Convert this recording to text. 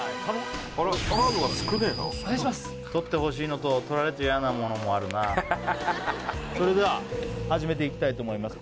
あらカードが少ねえな取ってほしいのと取られちゃ嫌なものもあるなそれでは始めていきたいと思います